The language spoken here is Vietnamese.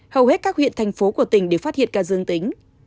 hầu hết các huyện thành phố của tỉnh đều phát hiện ca dương tính